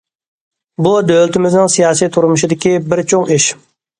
بۇ، دۆلىتىمىزنىڭ سىياسىي تۇرمۇشىدىكى بىر چوڭ ئىش.